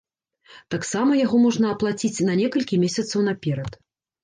Таксама яго можна аплаціць на некалькі месяцаў наперад.